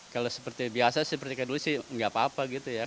kalau seperti biasa seperti kedulisnya tidak apa apa